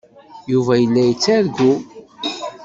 Yuba yella yettargu.